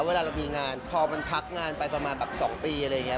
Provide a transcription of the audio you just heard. เวลาเรามีงานพอมันพักงานไปประมาณแบบ๒ปีอะไรอย่างนี้